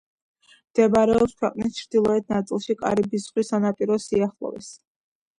მდებარეობს ქვეყნის ჩრდილეოთ ნაწილში, კარიბის ზღვის სანაპიროს სიახლოვეს.